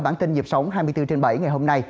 bản tin nhịp sống hai mươi bốn trên bảy ngày hôm nay